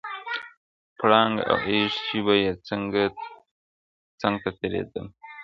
پړانګ او ایږ چي به یې ځنګ ته تېرېدله!!